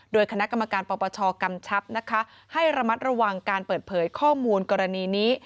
โดยคณะกรรมการปปชกำชับนะคะให้ระมัดระวังการเปิดเผยข้อมูลกรณีนี้